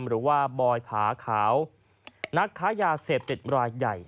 บอยผาขาวนักค้ายาเสพติดรายใหญ่